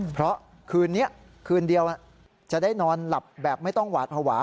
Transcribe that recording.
เพราะคืนนี้คืนเดียวจะได้นอนหลับแบบไม่ต้องหวาดภาวะ